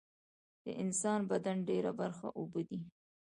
د انسان بدن ډیره برخه اوبه دي